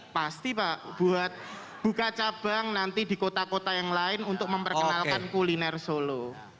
pasti pak buat buka cabang nanti di kota kota yang lain untuk memperkenalkan kuliner solo